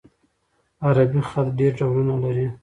عربي خط ډېر ډولونه لري.